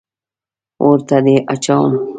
اور ته دې اچوم.